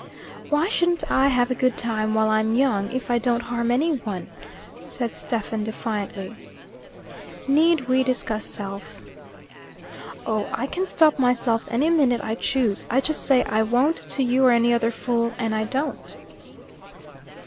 "Why shouldn't I have a good time while I'm young, if I don't harm any one?" said Stephen defiantly. "Need we discuss self." "Oh, I can stop myself any minute I choose. I just say 'I won't' to you or any other fool, and I don't."